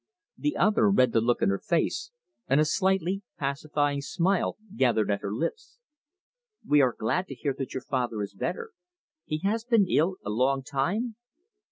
The other read the look in her face, and a slightly pacifying smile gathered at her lips. "We are glad to hear that your father is better. He has been ill a long time?"